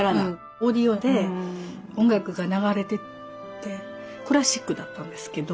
オーディオで音楽が流れててクラシックだったんですけど。